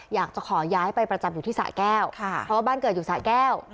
อยากจะขอย้ายไปประจำอยู่ที่สะแก้วเพราะว่าบ้านเกิดอยู่สะแก้ว